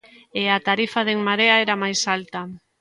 E a tarifa de En Marea era máis alta.